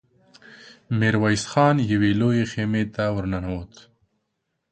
ميرويس خان يوې لويې خيمې ته ور ننوت.